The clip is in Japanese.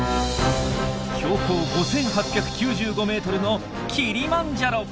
標高５，８９５ｍのキリマンジャロ！